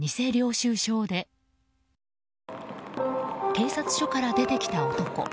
警察署から出てきた男。